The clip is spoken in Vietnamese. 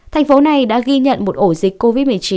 thành phố này đã ghi nhận một ổ dịch covid một mươi chín